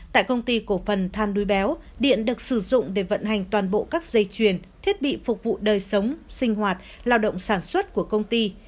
tại công ty cổ phần than đuôi béo điện được sử dụng để vận hành toàn bộ các dây chuyền thiết bị phục vụ đời sống sinh hoạt lao động sản xuất của công ty